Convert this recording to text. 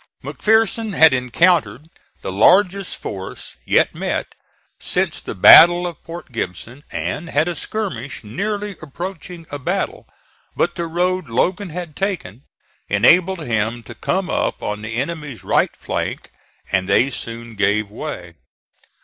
McPherson had encountered the largest force yet met since the battle of Port Gibson and had a skirmish nearly approaching a battle; but the road Logan had taken enabled him to come up on the enemy's right flank, and they soon gave way.